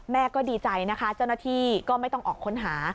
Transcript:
แม่ก็ดีใจนะคะเจ้าหน้าที่ก็ไม่ต้องออกค้นหา